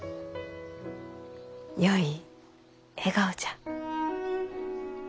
よい笑顔じゃ。